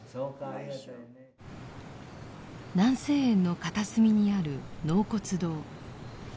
南静園の片隅にある納骨堂。